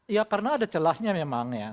ya karena ada celahnya memang ya